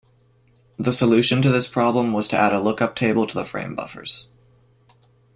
The solution to this problem was to add a lookup table to the framebuffers.